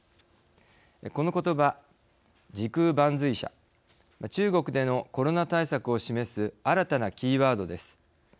このことば、時空伴随者中国でのコロナ対策を示す新たなキーワードです。